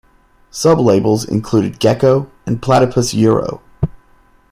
Sublabels included Gekko and Platipus Euro.